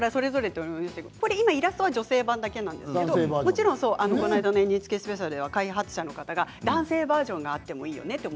イラストは女性版なんですけれどこないだのＮＨＫスペシャルでは開発者の方が男性バージョンもあってもいいよねって